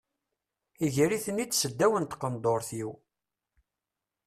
Iger-iten-id seddaw n tqendurt-iw.